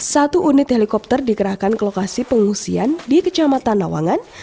satu unit helikopter dikerahkan ke lokasi pengungsian di kecamatan nawangan